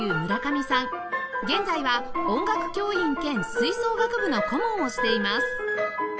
現在は音楽教員兼吹奏楽部の顧問をしています